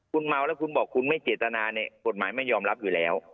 คุณเมาแล้วคุณบอกคุณไม่เจตนาเนี่ยกฎหมายไม่ยอมรับอยู่แล้ว